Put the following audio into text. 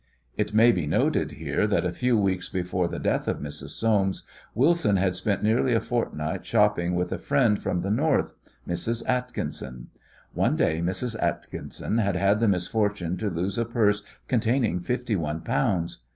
It may be noted here that a few weeks before the death of Mrs. Soames, Wilson had spent nearly a fortnight shopping with a friend from the North, Mrs. Atkinson. One day Mrs. Atkinson had had the misfortune to lose a purse containing fifty one pounds.